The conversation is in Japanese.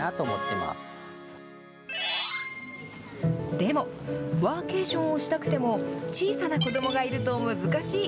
でも、ワーケーションをしたくても、小さな子どもがいると難しい。